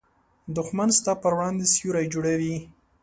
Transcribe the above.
دښمن ستا پر وړاندې سیوری جوړوي